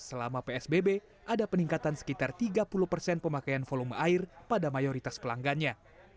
selama psbb ada peningkatan sekitar tiga puluh persen pemakaian volume air pada mayoritas pelanggannya